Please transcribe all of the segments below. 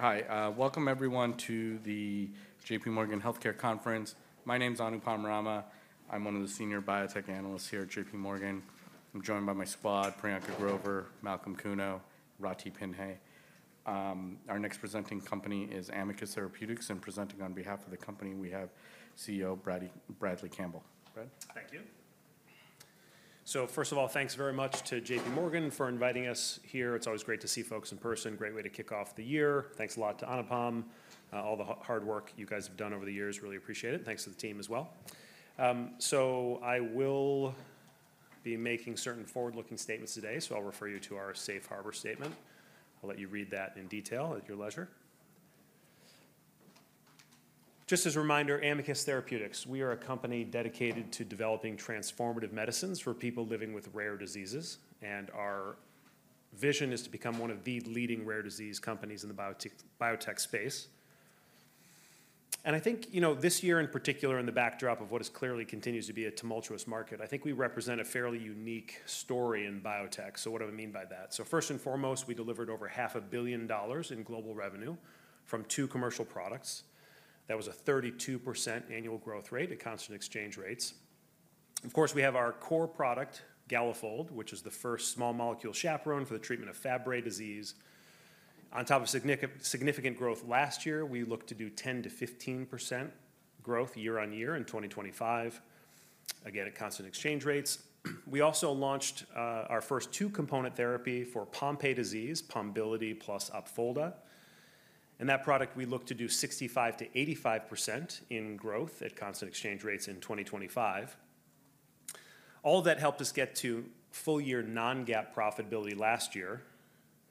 Hi. Welcome, everyone, to the J.P. Morgan Healthcare Conference. My name is Anupam Rama. I'm one of the senior biotech analysts here at J.P. Morgan. I'm joined by my squad, Priyanka Grover, Malcolm Kuno, and Rati Pinhe. Our next presenting company is Amicus Therapeutics, and presenting on behalf of the company, we have CEO Bradley Campbell. Thank you. So first of all, thanks very much to J.P. Morgan for inviting us here. It's always great to see folks in person. Great way to kick off the year. Thanks a lot to Anupam. All the hard work you guys have done over the years, really appreciate it. Thanks to the team as well. So I will be making certain forward-looking statements today, so I'll refer you to our Safe Harbor statement. I'll let you read that in detail at your leisure. Just as a reminder, Amicus Therapeutics, we are a company dedicated to developing transformative medicines for people living with rare diseases, and our vision is to become one of the leading rare disease companies in the biotech space. I think, you know, this year in particular, in the backdrop of what is clearly continues to be a tumultuous market, I think we represent a fairly unique story in biotech. So what do I mean by that? So first and foremost, we delivered over $500 million in global revenue from two commercial products. That was a 32% annual growth rate at constant exchange rates. Of course, we have our core product, Galafold, which is the first small molecule chaperone for the treatment of Fabry disease. On top of significant growth last year, we look to do 10%-15% growth year on year in 2025, again at constant exchange rates. We also launched our first two-component therapy for Pompe disease, Pombiliti plus Opfolda. That product, we look to do 65%-85% in growth at constant exchange rates in 2025. All of that helped us get to full-year non-GAAP profitability last year.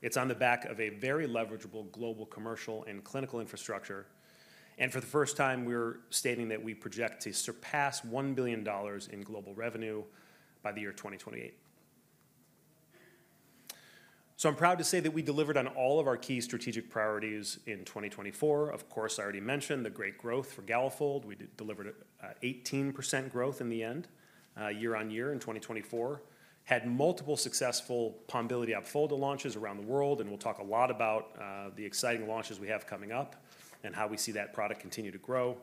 It's on the back of a very leverageable global commercial and clinical infrastructure. And for the first time, we're stating that we project to surpass $1 billion in global revenue by the year 2028. So I'm proud to say that we delivered on all of our key strategic priorities in 2024. Of course, I already mentioned the great growth for Galafold. We delivered 18% growth year-on-year in 2024. Had multiple successful Pombiliti/Opfolda launches around the world, and we'll talk a lot about the exciting launches we have coming up and how we see that product continue to grow.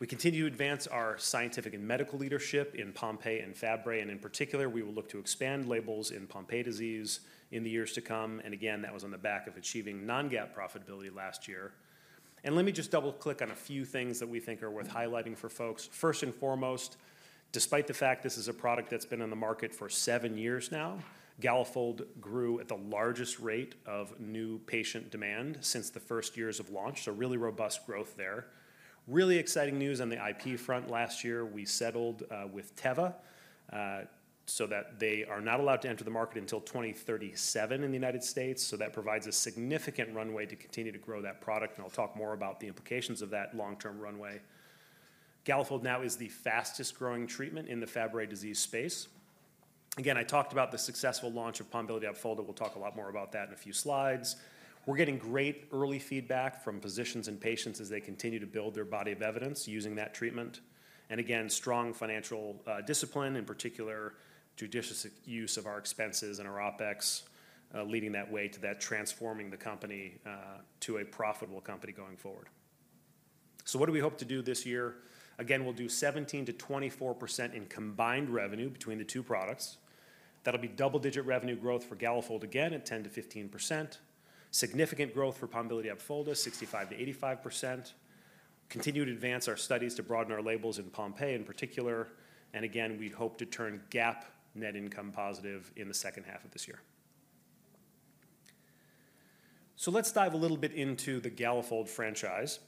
We continue to advance our scientific and medical leadership in Pompe and Fabry, and in particular, we will look to expand labels in Pompe disease in the years to come. Again, that was on the back of achieving non-GAAP profitability last year. Let me just double-click on a few things that we think are worth highlighting for folks. First and foremost, despite the fact this is a product that's been on the market for seven years now, Galafold grew at the largest rate of new patient demand since the first years of launch, so really robust growth there. Really exciting news on the IP front. Last year, we settled with Teva so that they are not allowed to enter the market until 2037 in the United States. So that provides a significant runway to continue to grow that product, and I'll talk more about the implications of that long-term runway. Galafold now is the fastest-growing treatment in the Fabry disease space. Again, I talked about the successful launch of Pombiliti/Opfolda. We'll talk a lot more about that in a few slides. We're getting great early feedback from physicians and patients as they continue to build their body of evidence using that treatment. And again, strong financial discipline, in particular, judicious use of our expenses and our OpEx, leading that way to that transforming the company to a profitable company going forward. So what do we hope to do this year? Again, we'll do 17%-24% in combined revenue between the two products. That'll be double-digit revenue growth for Galafold again at 10%-15%. Significant growth for Pombiliti/Opfolda, 65%-85%. Continue to advance our studies to broaden our labels in Pompe, in particular. And again, we hope to turn GAAP net income positive in the second half of this year. So let's dive a little bit into the Galafold franchise.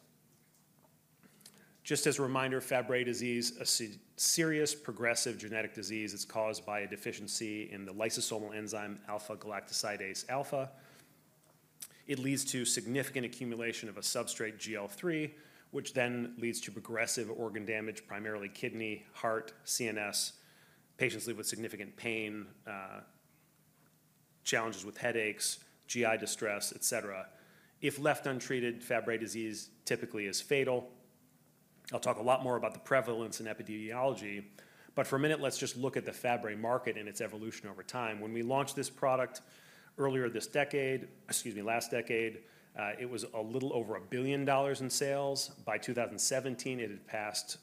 Just as a reminder, Fabry disease is a serious progressive genetic disease. It's caused by a deficiency in the lysosomal enzyme alpha-galactosidase A. It leads to significant accumulation of a substrate, GL3, which then leads to progressive organ damage, primarily kidney, heart, CNS. Patients live with significant pain, challenges with headaches, GI distress, et cetera. If left untreated, Fabry disease typically is fatal. I'll talk a lot more about the prevalence and epidemiology, but for a minute, let's just look at the Fabry market and its evolution over time. When we launched this product earlier this decade, excuse me, last decade, it was a little over $1 billion in sales. By 2017, it had passed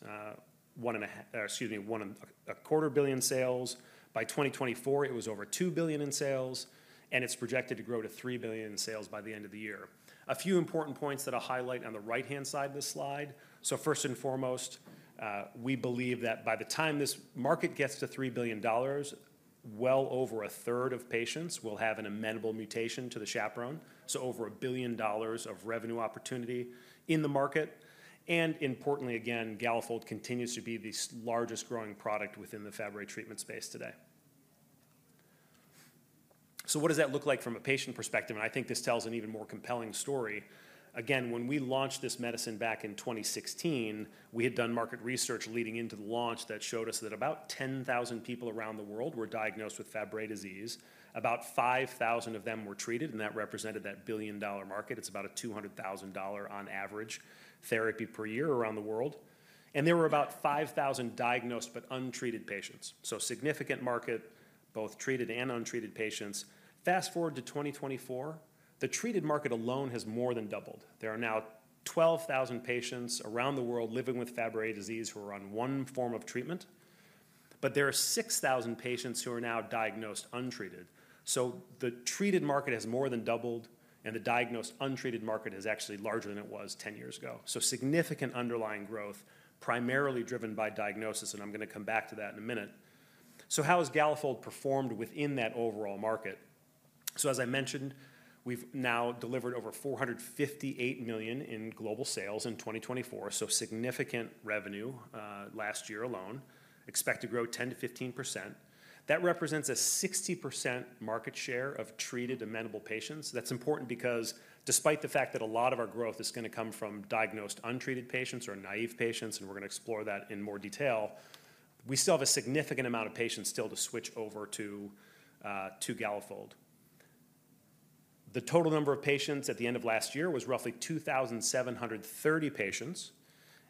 one and a half, excuse me, one and a quarter billion sales. By 2024, it was over $2 billion in sales, and it's projected to grow to $3 billion in sales by the end of the year. A few important points that I'll highlight on the right-hand side of this slide, so first and foremost, we believe that by the time this market gets to $3 billion, well over a third of patients will have an amenable mutation to the chaperone, so over $1 billion of revenue opportunity in the market, and importantly, again, Galafold continues to be the largest growing product within the Fabry treatment space today, so what does that look like from a patient perspective, and I think this tells an even more compelling story. Again, when we launched this medicine back in 2016, we had done market research leading into the launch that showed us that about 10,000 people around the world were diagnosed with Fabry disease. About 5,000 of them were treated, and that represented that billion-dollar market. It's about a $200,000 on average therapy per year around the world, and there were about 5,000 diagnosed but untreated patients, so significant market, both treated and untreated patients. Fast forward to 2024, the treated market alone has more than doubled. There are now 12,000 patients around the world living with Fabry disease who are on one form of treatment, but there are 6,000 patients who are now diagnosed untreated. So the treated market has more than doubled, and the diagnosed untreated market is actually larger than it was 10 years ago, so significant underlying growth, primarily driven by diagnosis, and I'm going to come back to that in a minute, so how has Galafold performed within that overall market? As I mentioned, we've now delivered over $458 million in global sales in 2024, so significant revenue last year alone. We expect to grow 10%-15%. That represents a 60% market share of treated amenable patients. That's important because despite the fact that a lot of our growth is going to come from diagnosed untreated patients or naive patients, and we're going to explore that in more detail, we still have a significant amount of patients still to switch over to Galafold. The total number of patients at the end of last year was roughly 2,730 patients,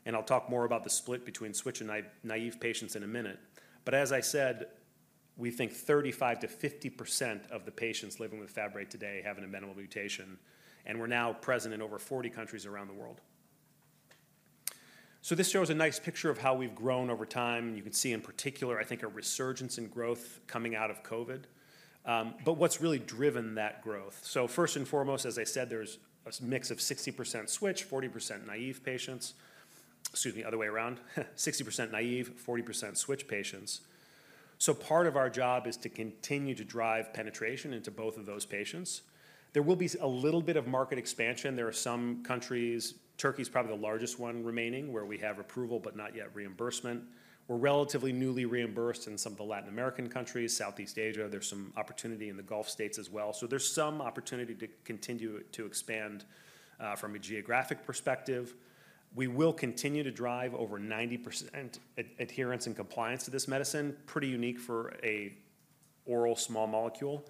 and I'll talk more about the split between switch and naive patients in a minute. But as I said, we think 35%-50% of the patients living with Fabry today have an amenable mutation, and we're now present in over 40 countries around the world. So this shows a nice picture of how we've grown over time. You can see in particular, I think, a resurgence in growth coming out of COVID. But what's really driven that growth? So first and foremost, as I said, there's a mix of 60% switch, 40% naive patients. Excuse me, other way around. 60% naive, 40% switch patients. So part of our job is to continue to drive penetration into both of those patients. There will be a little bit of market expansion. There are some countries, Turkey's probably the largest one remaining, where we have approval but not yet reimbursement. We're relatively newly reimbursed in some of the Latin American countries, Southeast Asia. There's some opportunity in the Gulf States as well. So there's some opportunity to continue to expand from a geographic perspective. We will continue to drive over 90% adherence and compliance to this medicine. Pretty unique for an oral small molecule,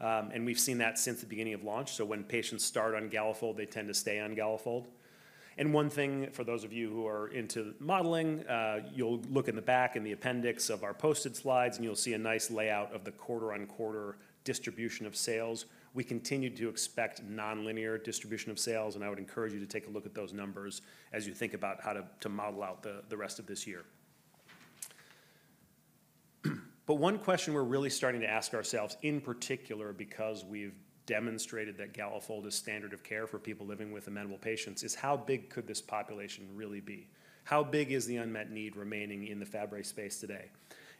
and we've seen that since the beginning of launch. So when patients start on Galafold, they tend to stay on Galafold. And one thing for those of you who are into modeling, you'll look in the back in the appendix of our posted slides, and you'll see a nice layout of the quarter-on-quarter distribution of sales. We continue to expect nonlinear distribution of sales, and I would encourage you to take a look at those numbers as you think about how to model out the rest of this year. But one question we're really starting to ask ourselves in particular, because we've demonstrated that Galafold is standard of care for people living with amenable patients, is how big could this population really be? How big is the unmet need remaining in the Fabry space today?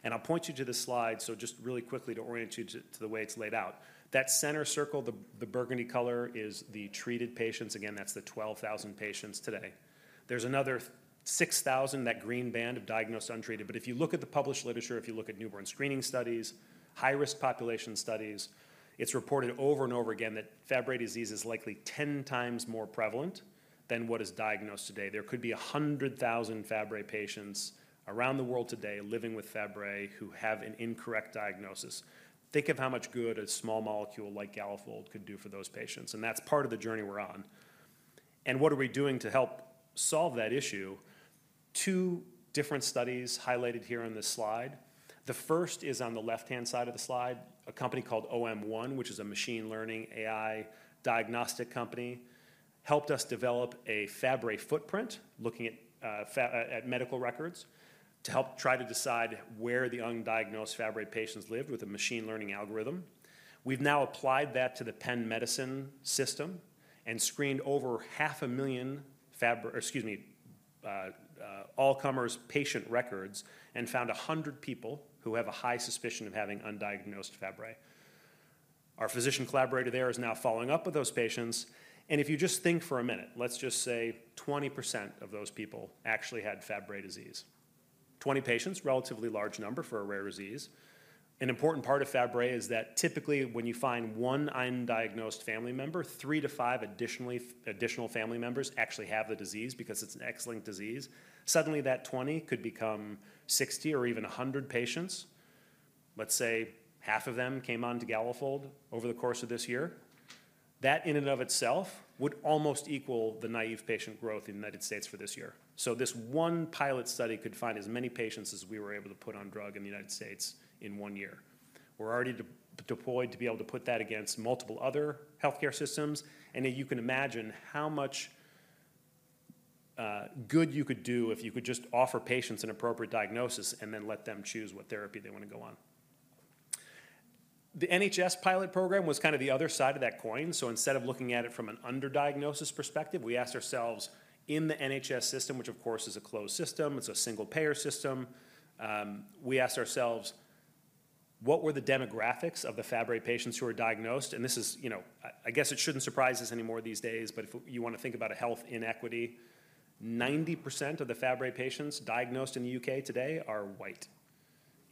I'll point you to the slide, so just really quickly to orient you to the way it's laid out. That center circle, the burgundy color, is the treated patients. Again, that's the 12,000 patients today. There's another 6,000, that green band of diagnosed untreated. But if you look at the published literature, if you look at newborn screening studies, high-risk population studies, it's reported over and over again that Fabry disease is likely 10 times more prevalent than what is diagnosed today. There could be 100,000 Fabry patients around the world today living with Fabry who have an incorrect diagnosis. Think of how much good a small molecule like Galafold could do for those patients, and that's part of the journey we're on. What are we doing to help solve that issue? Two different studies highlighted here on this slide. The first is on the left-hand side of the slide. A company called OM1, which is a machine learning AI diagnostic company, helped us develop a Fabry footprint looking at medical records to help try to decide where the undiagnosed Fabry patients lived with a machine learning algorithm. We've now applied that to the Penn Medicine system and screened over 500,000 Fabry, excuse me, all-comers patient records and found 100 people who have a high suspicion of having undiagnosed Fabry. Our physician collaborator there is now following up with those patients, and if you just think for a minute, let's just say 20% of those people actually had Fabry disease. 20 patients, relatively large number for a rare disease. An important part of Fabry is that typically when you find one undiagnosed family member, three to five additional family members actually have the disease because it's an X-linked disease. Suddenly that 20 could become 60 or even 100 patients. Let's say half of them came on to Galafold over the course of this year. That in and of itself would almost equal the naive patient growth in the United States for this year. So this one pilot study could find as many patients as we were able to put on drug in the United States in one year. We're already deployed to be able to put that against multiple other healthcare systems, and you can imagine how much good you could do if you could just offer patients an appropriate diagnosis and then let them choose what therapy they want to go on. The NHS pilot program was kind of the other side of that coin. So instead of looking at it from an underdiagnosis perspective, we asked ourselves in the NHS system, which of course is a closed system, it's a single-payer system. We asked ourselves, what were the demographics of the Fabry patients who were diagnosed? And this is, you know, I guess it shouldn't surprise us anymore these days, but if you want to think about a health inequity, 90% of the Fabry patients diagnosed in the U.K. today are white,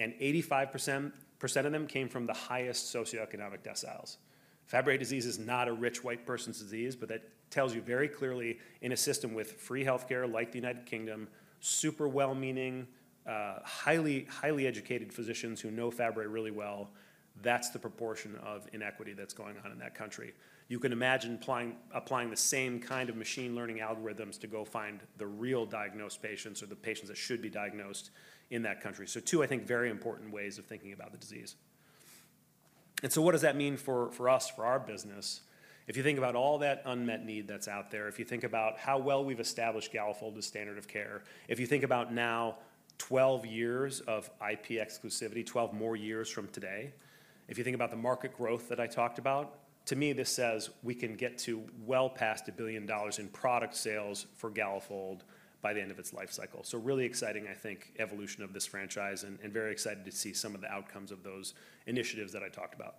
and 85% of them came from the highest socioeconomic deciles. Fabry disease is not a rich white person's disease, but that tells you very clearly in a system with free healthcare like the United Kingdom, super well-meaning, highly educated physicians who know Fabry really well, that's the proportion of inequity that's going on in that country. You can imagine applying the same kind of machine learning algorithms to go find the real diagnosed patients or the patients that should be diagnosed in that country. So two, I think, very important ways of thinking about the disease. And so what does that mean for us, for our business? If you think about all that unmet need that's out there, if you think about how well we've established Galafold as standard of care, if you think about now 12 years of IP exclusivity, 12 more years from today, if you think about the market growth that I talked about, to me this says we can get to well past $1 billion in product sales for Galafold by the end of its life cycle. So really exciting, I think, evolution of this franchise and very excited to see some of the outcomes of those initiatives that I talked about.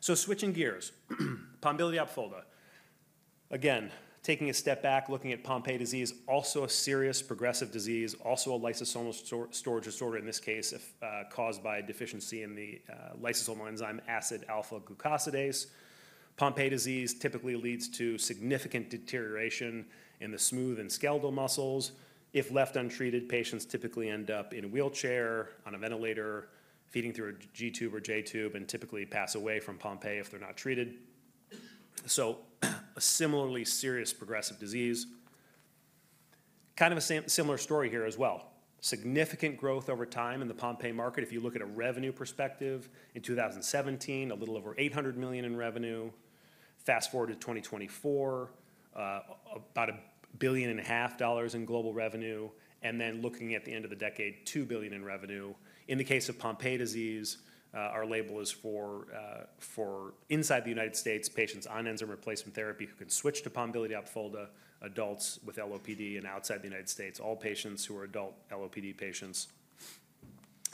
So switching gears, Pombiliti/Opfolda. Again, taking a step back, looking at Pompe disease, also a serious progressive disease, also a lysosomal storage disorder in this case caused by deficiency in the lysosomal enzyme acid alpha-glucosidase. Pompe disease typically leads to significant deterioration in the smooth and skeletal muscles. If left untreated, patients typically end up in a wheelchair, on a ventilator, feeding through a G tube or J tube, and typically pass away from Pompe if they're not treated. So a similarly serious progressive disease. Kind of a similar story here as well. Significant growth over time in the Pompe market. If you look at a revenue perspective, in 2017, a little over $800 million in revenue. Fast forward to 2024, about $1.5 billion in global revenue. Looking at the end of the decade, $2 billion in revenue. In the case of Pompe disease, our label is for patients in the United States on enzyme replacement therapy who can switch to Pombiliti/Opfolda, adults with LOPD, and outside the United States, all patients who are adult LOPD patients.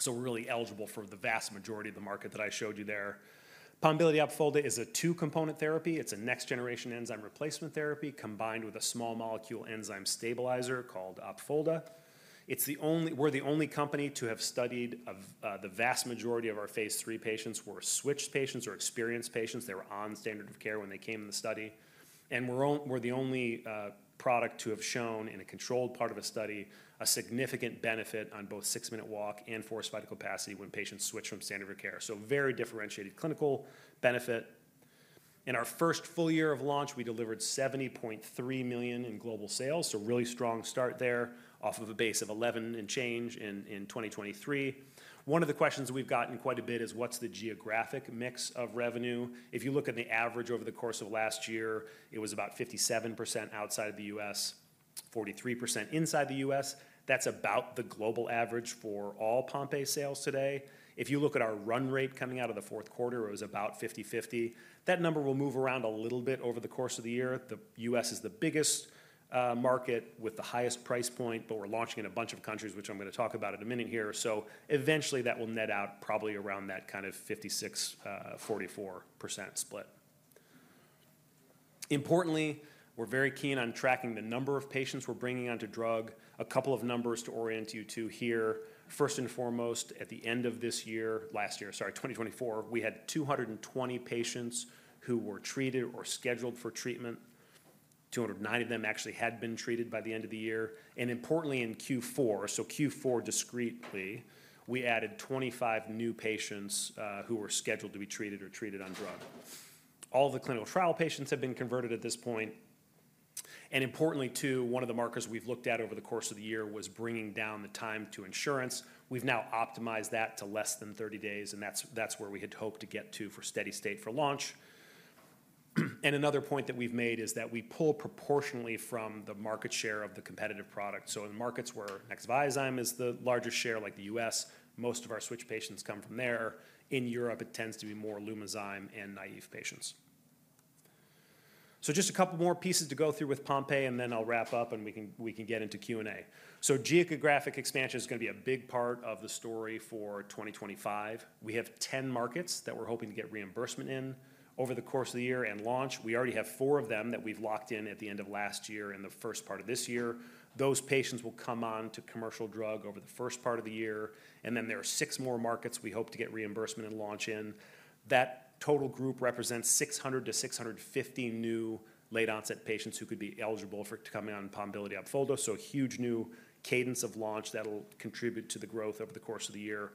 We're really eligible for the vast majority of the market that I showed you there. Pombiliti/Opfolda is a two-component therapy. It's a next-generation enzyme replacement therapy combined with a small molecule enzyme stabilizer called Opfolda. We're the only company to have studied the vast majority of our phase three patients who were switched patients or experienced patients. They were on standard of care when they came in the study. We're the only product to have shown in a controlled part of a study a significant benefit on both six-minute walk and forced vital capacity when patients switch from standard of care. So very differentiated clinical benefit. In our first full year of launch, we delivered $70.3 million in global sales, so really strong start there off of a base of $11 and change in 2023. One of the questions we've gotten quite a bit is what's the geographic mix of revenue? If you look at the average over the course of last year, it was about 57% outside of the U.S., 43% inside the U.S. That's about the global average for all Pompe sales today. If you look at our run rate coming out of the fourth quarter, it was about 50/50. That number will move around a little bit over the course of the year. The U.S. is the biggest market with the highest price point, but we're launching in a bunch of countries, which I'm going to talk about in a minute here. So eventually that will net out probably around that kind of 56%-44% split. Importantly, we're very keen on tracking the number of patients we're bringing onto drug. A couple of numbers to orient you to here. First and foremost, at the end of this year, last year, sorry, 2024, we had 220 patients who were treated or scheduled for treatment. 290 of them actually had been treated by the end of the year. And importantly, in Q4, so Q4 discretely, we added 25 new patients who were scheduled to be treated or treated on drug. All the clinical trial patients have been converted at this point. Importantly, too, one of the markers we've looked at over the course of the year was bringing down the time to insurance. We've now optimized that to less than 30 days, and that's where we had hoped to get to for steady state for launch. Another point that we've made is that we pull proportionally from the market share of the competitive product. In markets where Nexviazyme is the largest share, like the U.S., most of our switch patients come from there. In Europe, it tends to be more Lumazyme and naive patients. Just a couple more pieces to go through with Pompe, and then I'll wrap up and we can get into Q&A. Geographic expansion is going to be a big part of the story for 2025. We have 10 markets that we're hoping to get reimbursement in over the course of the year and launch. We already have four of them that we've locked in at the end of last year and the first part of this year. Those patients will come on to commercial drug over the first part of the year. Then there are six more markets we hope to get reimbursement and launch in. That total group represents 600-650 new late-onset patients who could be eligible for coming on Pombiliti/Opfolda. A huge new cadence of launch that'll contribute to the growth over the course of the year.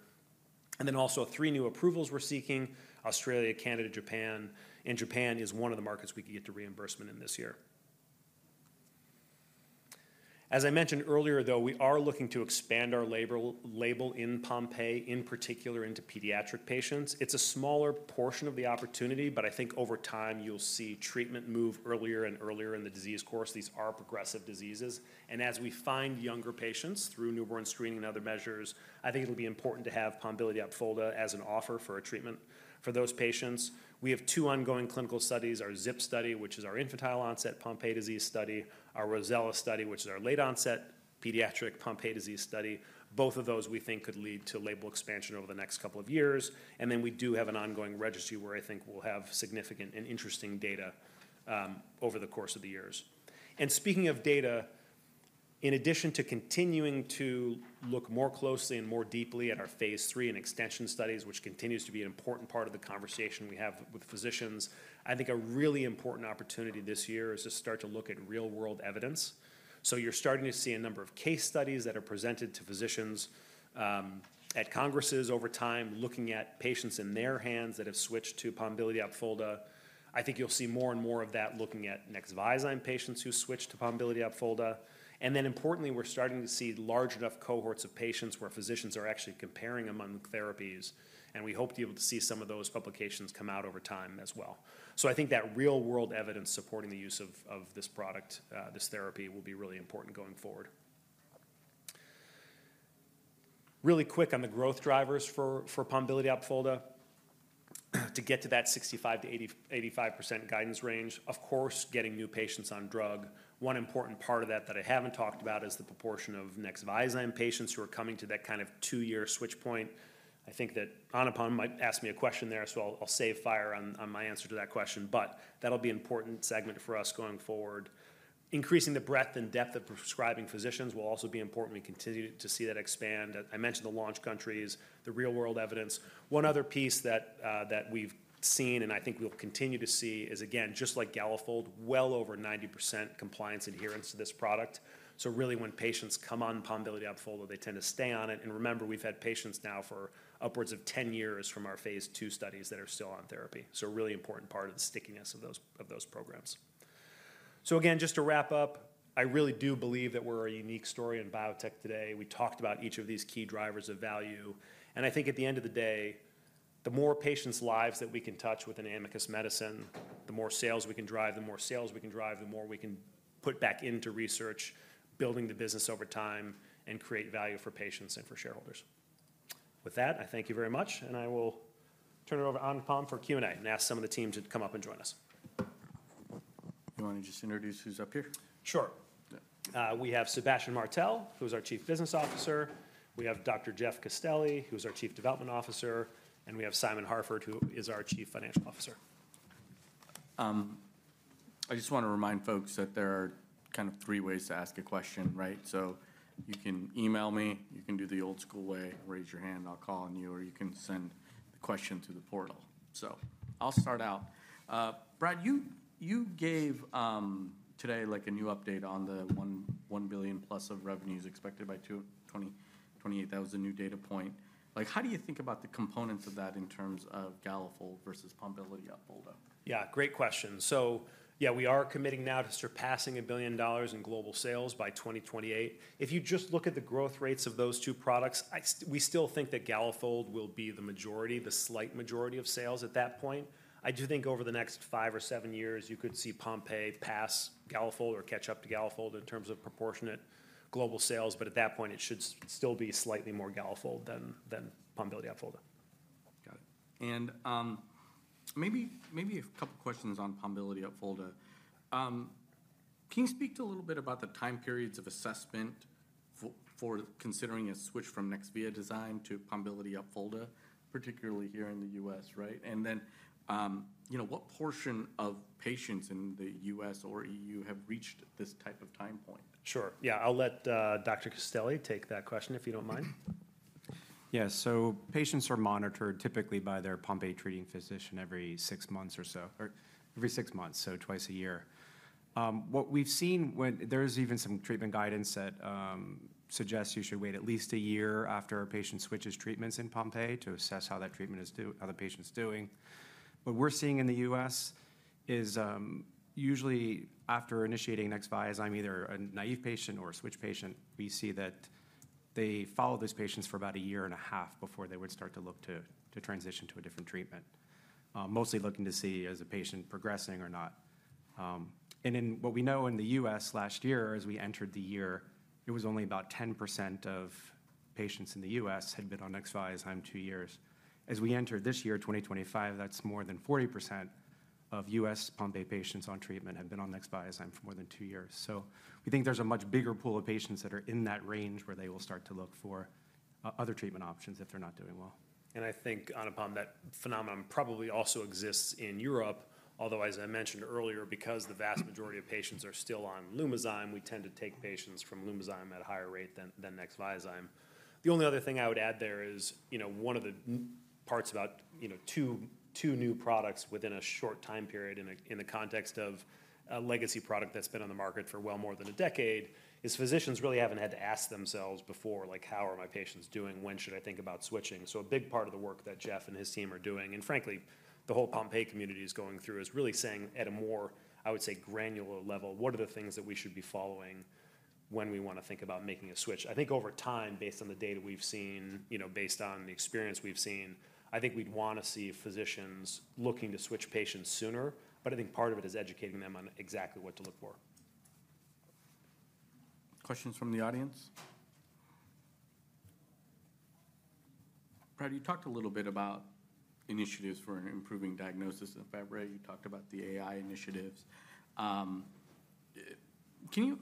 Then also three new approvals we're seeking: Australia, Canada, Japan. Japan is one of the markets we can get to reimbursement in this year. As I mentioned earlier, though, we are looking to expand our label in Pompe, in particular into pediatric patients. It's a smaller portion of the opportunity, but I think over time you'll see treatment move earlier and earlier in the disease course. These are progressive diseases. And as we find younger patients through newborn screening and other measures, I think it'll be important to have Pombiliti/Opfolda as an offer for treatment for those patients. We have two ongoing clinical studies: our ZIP study, which is our infantile-onset Pompe disease study, our Rossella study, which is our late-onset pediatric Pompe disease study. Both of those we think could lead to label expansion over the next couple of years. And then we do have an ongoing registry where I think we'll have significant and interesting data over the course of the years. Speaking of data, in addition to continuing to look more closely and more deeply at our phase three and extension studies, which continues to be an important part of the conversation we have with physicians, I think a really important opportunity this year is to start to look at real-world evidence. You're starting to see a number of case studies that are presented to physicians at congresses over time looking at patients in their hands that have switched to Pombiliti/Opfolda. I think you'll see more and more of that looking at Nexviazyme patients who switch to Pombiliti/Opfolda. Importantly, we're starting to see large enough cohorts of patients where physicians are actually comparing among therapies, and we hope to be able to see some of those publications come out over time as well. I think that real-world evidence supporting the use of this product, this therapy, will be really important going forward. Really quick on the growth drivers for Pombiliti/Opfolda to get to that 65%-85% guidance range. Of course, getting new patients on drug. One important part of that that I haven't talked about is the proportion of Nexviazyme patients who are coming to that kind of two-year switch point. I think that Anupam might ask me a question there, so I'll hold my fire on my answer to that question, but that'll be an important segment for us going forward. Increasing the breadth and depth of prescribing physicians will also be important. We continue to see that expand. I mentioned the launch countries, the real-world evidence. One other piece that we've seen, and I think we'll continue to see, is again, just like Galafold, well over 90% compliance adherence to this product. So really when patients come on Pombiliti/Opfolda, they tend to stay on it. And remember, we've had patients now for upwards of 10 years from our phase 2 studies that are still on therapy. So a really important part of the stickiness of those programs. So again, just to wrap up, I really do believe that we're a unique story in biotech today. We talked about each of these key drivers of value. I think at the end of the day, the more patients' lives that we can touch with an Amicus medicine, the more sales we can drive, the more sales we can drive, the more we can put back into research, building the business over time and create value for patients and for shareholders. With that, I thank you very much, and I will turn it over to Anupam for Q&A and ask some of the team to come up and join us. Do you want to just introduce who's up here? Sure. We have Sebastian Martel, who's our Chief Business Officer. We have Dr. Jeff Castelli, who's our Chief Development Officer, and we have Simon Harford, who is our Chief Financial Officer. I just want to remind folks that there are kind of three ways to ask a question, right? So you can email me, you can do the old school way, raise your hand, I'll call on you, or you can send the question to the portal. So I'll start out. Brad, you gave today like a new update on the $1 billion plus of revenues expected by 2028. That was a new data point. Like how do you think about the components of that in terms of Galafold versus Pombiliti/Opfolda? Yeah, great question. So yeah, we are committing now to surpassing $1 billion in global sales by 2028. If you just look at the growth rates of those two products, we still think that Galafold will be the majority, the slight majority of sales at that point. I do think over the next five or seven years, you could see Pompe pass Galafold or catch up to Galafold in terms of proportionate global sales, but at that point, it should still be slightly more Galafold than Pombiliti/Opfolda. Got it. And maybe a couple of questions on Pombiliti/Opfolda. Can you speak to a little bit about the time periods of assessment for considering a switch from Nexviazyme to Pombiliti/Opfolda, particularly here in the US, right? And then what portion of patients in the US or EU have reached this type of time point? Sure. Yeah, I'll let Dr. Castelli take that question if you don't mind. Yeah, so patients are monitored typically by their Pompe treating physician every six months or so, or every six months, so twice a year. What we've seen, there's even some treatment guidance that suggests you should wait at least a year after a patient switches treatments in Pompe to assess how that treatment is doing, how the patient's doing. What we're seeing in the U.S. is usually after initiating Nexviazyme, either a naive patient or a switch patient, we see that they follow those patients for about a year and a half before they would start to look to transition to a different treatment, mostly looking to see as a patient progressing or not. And then what we know in the U.S. last year, as we entered the year, it was only about 10% of patients in the U.S. had been on Nexviazyme two years. As we enter this year, 2025. That's more than 40% of U.S. Pompe patients on treatment have been on Nexviazyme for more than two years. So we think there's a much bigger pool of patients that are in that range where they will start to look for other treatment options if they're not doing well. I think, Anupam, that phenomenon probably also exists in Europe. Although, as I mentioned earlier, because the vast majority of patients are still on Lumazyme, we tend to take patients from Lumazyme at a higher rate than Nexviazyme. The only other thing I would add there is one of the parts about two new products within a short time period in the context of a legacy product that's been on the market for well more than a decade is physicians really haven't had to ask themselves before, like how are my patients doing, when should I think about switching? A big part of the work that Jeff and his team are doing, and frankly, the whole Pompe community is going through is really saying at a more, I would say, granular level, what are the things that we should be following when we want to think about making a switch? I think over time, based on the data we've seen, based on the experience we've seen, I think we'd want to see physicians looking to switch patients sooner, but I think part of it is educating them on exactly what to look for. Questions from the audience? Brad, you talked a little bit about initiatives for improving diagnosis in Fabry. You talked about the AI initiatives. Can you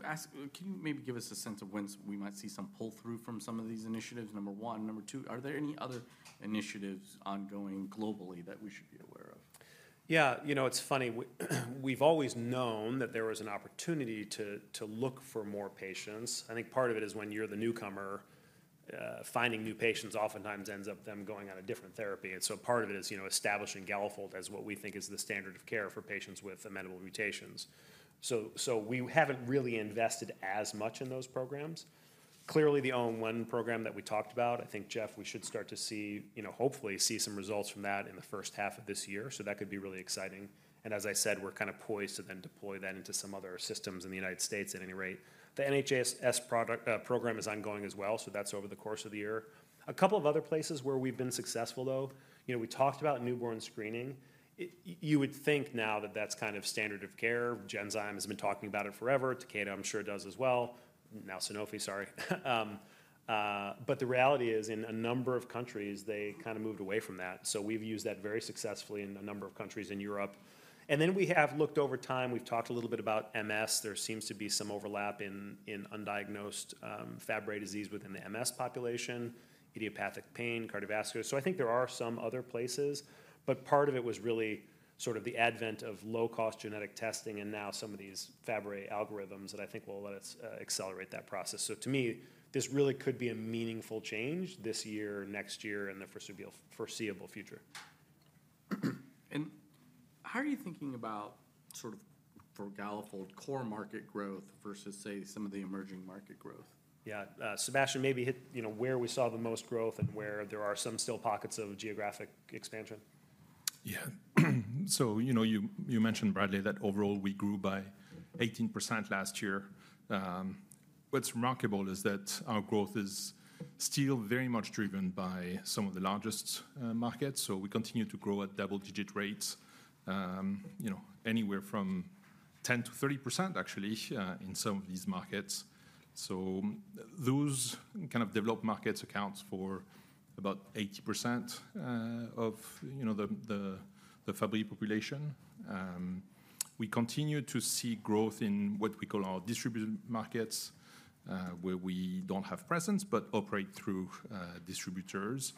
maybe give us a sense of when we might see some pull-through from some of these initiatives, number one? Number two, are there any other initiatives ongoing globally that we should be aware of? Yeah, you know it's funny. We've always known that there was an opportunity to look for more patients. I think part of it is when you're the newcomer, finding new patients oftentimes ends up them going on a different therapy. And so part of it is establishing Galafold as what we think is the standard of care for patients with amenable mutations. So we haven't really invested as much in those programs. Clearly, the OM1 program that we talked about, I think, Jeff, we should start to see, hopefully see some results from that in the first half of this year. So that could be really exciting. And as I said, we're kind of poised to then deploy that into some other systems in the United States at any rate. The NHS program is ongoing as well, so that's over the course of the year. A couple of other places where we've been successful, though. We talked about newborn screening. You would think now that that's kind of standard of care. Genzyme has been talking about it forever. Takeda, I'm sure does as well. Now Sanofi, sorry. But the reality is in a number of countries, they kind of moved away from that. So we've used that very successfully in a number of countries in Europe. And then we have looked over time. We've talked a little bit about MS. There seems to be some overlap in undiagnosed Fabry disease within the MS population, idiopathic pain, cardiovascular. So I think there are some other places, but part of it was really sort of the advent of low-cost genetic testing and now some of these Fabry algorithms that I think will let us accelerate that process. To me, this really could be a meaningful change this year, next year, and the foreseeable future. How are you thinking about sort of for Galafold core market growth versus, say, some of the emerging market growth? Yeah, Sebastian, maybe hit where we saw the most growth and where there are some still pockets of geographic expansion. Yeah, so you mentioned, Bradley, that overall we grew by 18% last year. What's remarkable is that our growth is still very much driven by some of the largest markets. So we continue to grow at double-digit rates, anywhere from 10%-30% actually in some of these markets. So those kind of developed markets account for about 80% of the Fabry population. We continue to see growth in what we call our distributed markets where we don't have presence but operate through distributors.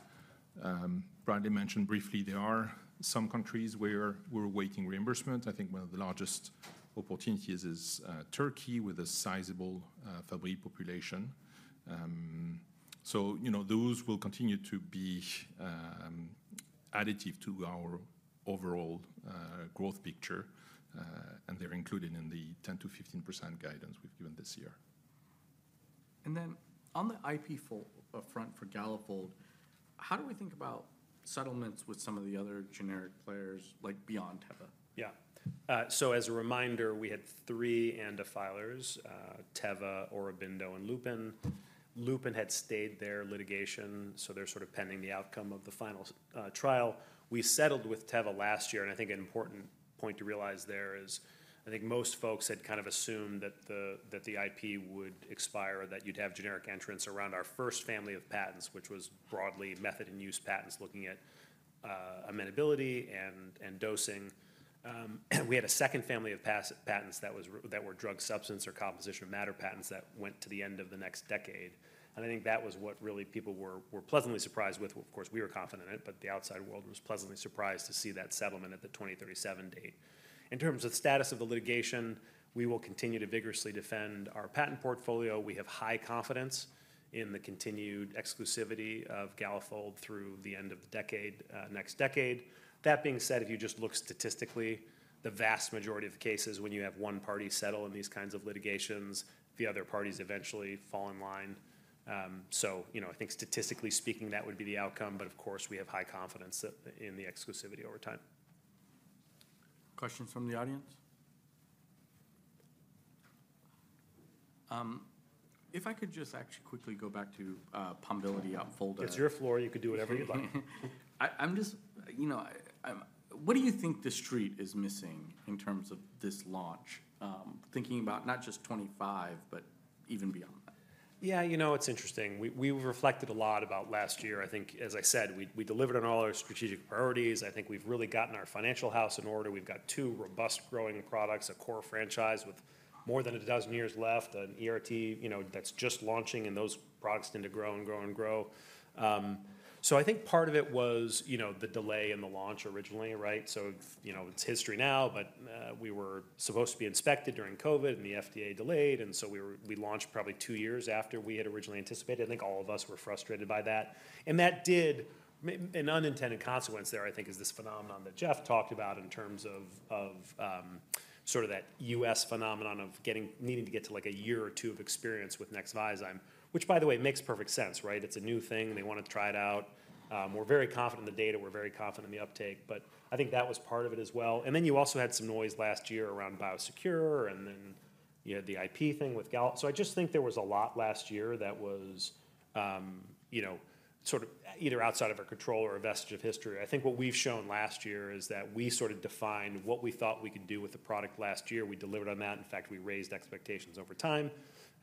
Bradley mentioned briefly there are some countries where we're awaiting reimbursement. I think one of the largest opportunities is Turkey with a sizable Fabry population. So those will continue to be additive to our overall growth picture, and they're included in the 10%-15% guidance we've given this year. And then on the IP front for Galafold, how do we think about settlements with some of the other generic players like beyond Teva? Yeah, so as a reminder, we had three ANDA filers: Teva, Aurobindo, and Lupin. Lupin had stayed their litigation, so they're sort of pending the outcome of the final trial. We settled with Teva last year, and I think an important point to realize there is I think most folks had kind of assumed that the IP would expire or that you'd have generic entrants around our first family of patents, which was broadly method and use patents looking at amenability and dosing. We had a second family of patents that were drug substance or composition of matter patents that went to the end of the next decade. And I think that was what really people were pleasantly surprised with. Of course, we were confident in it, but the outside world was pleasantly surprised to see that settlement at the 2037 date. In terms of status of the litigation, we will continue to vigorously defend our patent portfolio. We have high confidence in the continued exclusivity of Galafold through the end of the decade, next decade. That being said, if you just look statistically, the vast majority of cases when you have one party settle in these kinds of litigations, the other parties eventually fall in line. So I think statistically speaking, that would be the outcome, but of course, we have high confidence in the exclusivity over time. Questions from the audience? If I could just actually quickly go back to Pombiliti/Opfolda. It's your floor. You could do whatever you'd like. What do you think the street is missing in terms of this launch, thinking about not just 2025, but even beyond that? Yeah, you know it's interesting. We reflected a lot about last year. I think, as I said, we delivered on all our strategic priorities. I think we've really gotten our financial house in order. We've got two robust growing products, a core franchise with more than a dozen years left, an ERT that's just launching, and those products tend to grow and grow and grow. So I think part of it was the delay in the launch originally, right? So it's history now, but we were supposed to be inspected during COVID and the FDA delayed, and so we launched probably two years after we had originally anticipated. I think all of us were frustrated by that. An unintended consequence there, I think, is this phenomenon that Jeff talked about in terms of sort of that U.S. phenomenon of needing to get to like a year or two of experience with Nexviazyme, which by the way, makes perfect sense, right? It's a new thing. They want to try it out. We're very confident in the data. We're very confident in the uptake, but I think that was part of it as well. And then you also had some noise last year around Biosecure and then you had the IP thing with Galafold. So I just think there was a lot last year that was sort of either outside of our control or a vestige of history. I think what we've shown last year is that we sort of defined what we thought we could do with the product last year. We delivered on that. In fact, we raised expectations over time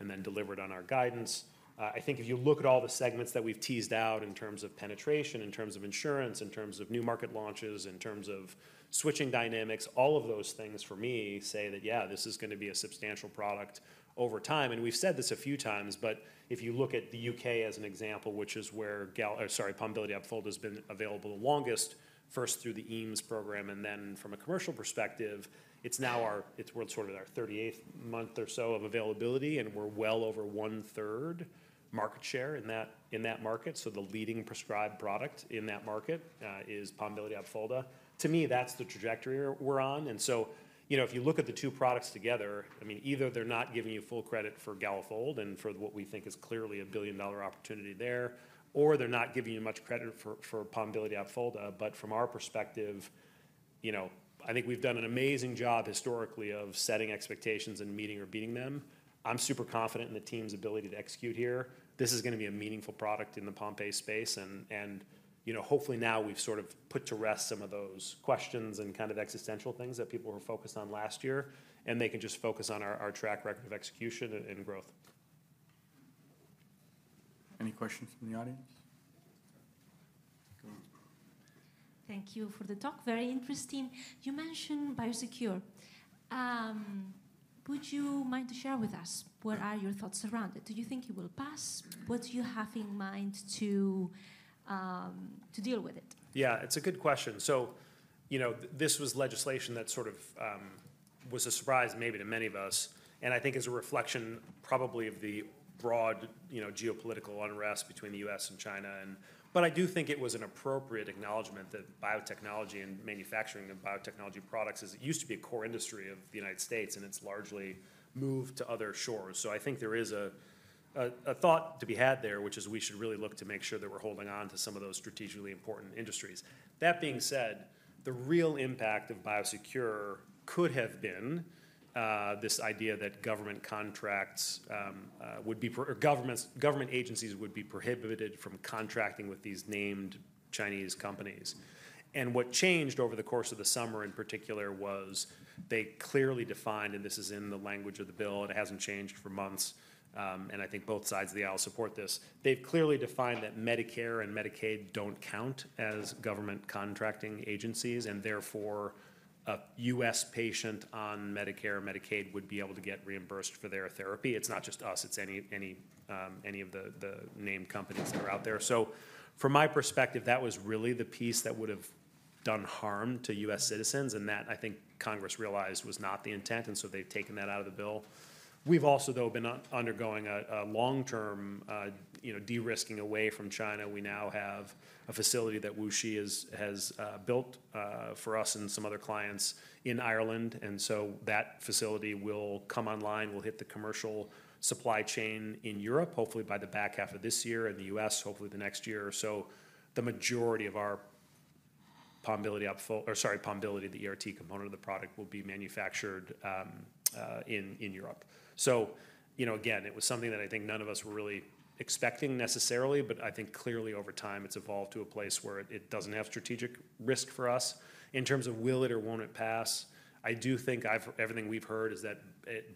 and then delivered on our guidance. I think if you look at all the segments that we've teased out in terms of penetration, in terms of insurance, in terms of new market launches, in terms of switching dynamics, all of those things for me say that, yeah, this is going to be a substantial product over time. We've said this a few times, but if you look at the UK as an example, which is where Pombiliti/Opfolda has been available the longest, first through the EAMS program and then from a commercial perspective, it's now sort of our 38th month or so of availability, and we're well over one-third market share in that market. So the leading prescribed product in that market is Pombiliti/Opfolda. To me, that's the trajectory we're on. And so if you look at the two products together, I mean, either they're not giving you full credit for Galafold and for what we think is clearly a $1 billion opportunity there, or they're not giving you much credit for Pombiliti/Opfolda. But from our perspective, I think we've done an amazing job historically of setting expectations and meeting or beating them. I'm super confident in the team's ability to execute here. This is going to be a meaningful product in the Pompe space. And hopefully now we've sort of put to rest some of those questions and kind of existential things that people were focused on last year, and they can just focus on our track record of execution and growth. Any questions from the audience? Thank you for the talk. Very interesting. You mentioned Biosecure. Would you mind to share with us where are your thoughts around it? Do you think it will pass? What do you have in mind to deal with it? Yeah, it's a good question. So this was legislation that sort of was a surprise maybe to many of us, and I think as a reflection probably of the broad geopolitical unrest between the U.S. and China, but I do think it was an appropriate acknowledgment that biotechnology and manufacturing of biotechnology products is it used to be a core industry of the United States, and it's largely moved to other shores, so I think there is a thought to be had there, which is we should really look to make sure that we're holding on to some of those strategically important industries. That being said, the real impact of Biosecure could have been this idea that government contracts would be, government agencies would be, prohibited from contracting with these named Chinese companies. What changed over the course of the summer in particular was they clearly defined, and this is in the language of the bill, and it hasn't changed for months, and I think both sides of the aisle support this. They've clearly defined that Medicare and Medicaid don't count as government contracting agencies, and therefore a U.S. patient on Medicare or Medicaid would be able to get reimbursed for their therapy. It's not just us. It's any of the named companies that are out there. So from my perspective, that was really the piece that would have done harm to U.S. citizens, and that I think Congress realized was not the intent, and so they've taken that out of the bill. We've also, though, been undergoing a long-term de-risking away from China. We now have a facility that WuXi has built for us and some other clients in Ireland. And so that facility will come online, will hit the commercial supply chain in Europe, hopefully by the back half of this year in the U.S., hopefully the next year or so. The majority of our Pombiliti/Opfolda, or sorry, Pombiliti, the ERT component of the product will be manufactured in Europe. So again, it was something that I think none of us were really expecting necessarily, but I think clearly over time it's evolved to a place where it doesn't have strategic risk for us. In terms of will it or won't it pass, I do think everything we've heard is that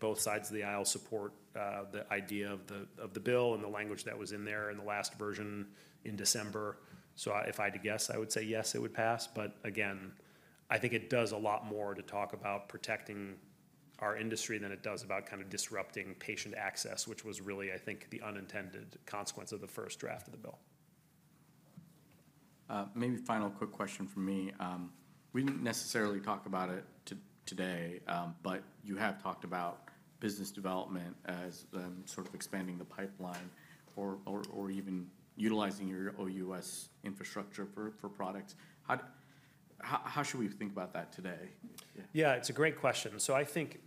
both sides of the aisle support the idea of the bill and the language that was in there in the last version in December. So if I had to guess, I would say yes, it would pass. But again, I think it does a lot more to talk about protecting our industry than it does about kind of disrupting patient access, which was really, I think, the unintended consequence of the first draft of the bill. Maybe final quick question from me. We didn't necessarily talk about it today, but you have talked about business development as sort of expanding the pipeline or even utilizing your OUS infrastructure for products. How should we think about that today? Yeah, it's a great question. So I think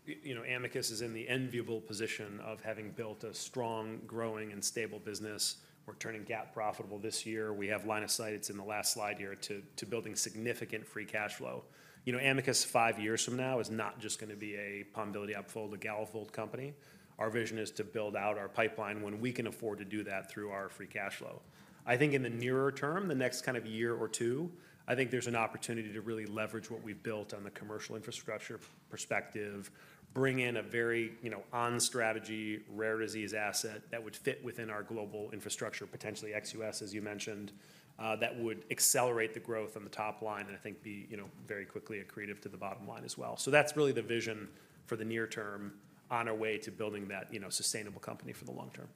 Amicus is in the enviable position of having built a strong, growing, and stable business. We're turning Galafold profitable this year. We have line of sight. It's in the last slide here to building significant free cash flow. Amicus five years from now is not just going to be a Pombiliti/Opfolda, Galafold company. Our vision is to build out our pipeline when we can afford to do that through our free cash flow. I think in the nearer term, the next kind of year or two, I think there's an opportunity to really leverage what we've built on the commercial infrastructure perspective, bring in a very on-strategy rare disease asset that would fit within our global infrastructure, potentially XUS, as you mentioned, that would accelerate the growth on the top line and I think be very quickly accretive to the bottom line as well. So that's really the vision for the near term on our way to building that sustainable company for the long term.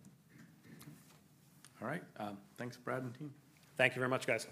All right, thanks, Brad and team. Thank you very much, guys.